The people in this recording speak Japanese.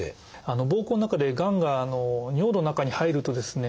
膀胱の中でがんが尿の中に入るとですね